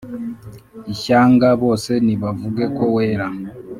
ishyanga bose nibavuge ko wera